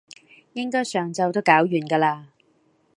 應該上晝都搞完㗎啦